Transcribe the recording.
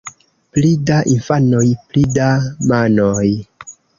Pli da infanoj, pli da manoj.